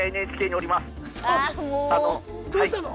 どうしたの？